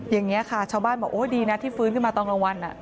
อย่างนี้ค่ะชาวบ้านบอกโอ้ดีนะที่ฟื้นขึ้นมาตอนกลางวัน